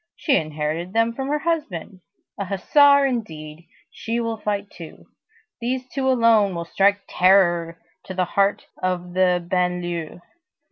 She inherited them from her husband. A hussar indeed! She will fight too. These two alone will strike terror to the heart of the banlieue.